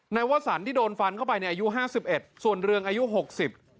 วสันที่โดนฟันเข้าไปเนี่ยอายุห้าสิบเอ็ดส่วนเรืองอายุหกสิบ